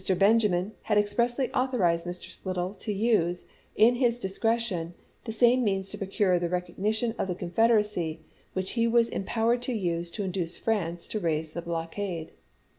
Benjamin had ex pressly authorized Mr. Slidell to use, in his discre tion, the same means to procure the recognition of the Confederacy which he was empowered to use to induce France to raise the blockade.